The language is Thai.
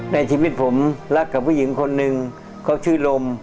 ในชีวิตผมรักกับผู้หญิงคนหนึ่งเขาชื่อลม